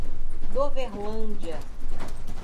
Doverlândia